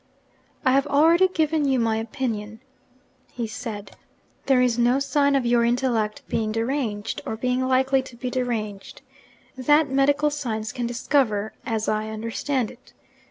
'I have already given you my opinion,' he said. 'There is no sign of your intellect being deranged, or being likely to be deranged, that medical science can discover as I understand it.